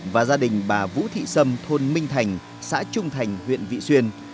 và gia đình bà vũ thị sâm thôn minh thành xã trung thành huyện vị xuyên